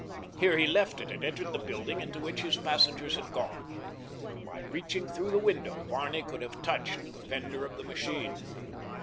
Here he left it and entered the building into which his passengers had gone. By reaching through the window Barney could have touched the fender of the machine.